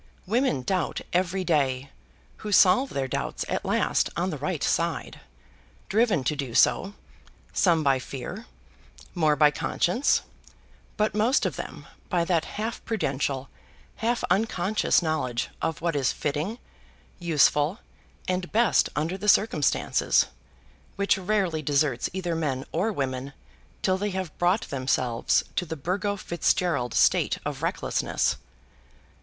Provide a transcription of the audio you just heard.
Women doubt every day, who solve their doubts at last on the right side, driven to do so, some by fear, more by conscience, but most of them by that half prudential, half unconscious knowledge of what is fitting, useful, and best under the cirumstances, which rarely deserts either men or women till they have brought themselves to the Burgo Fitzgerald state of recklessness.